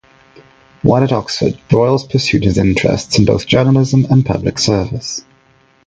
While at Oxford, Broyles pursued his interests in both journalism and public service.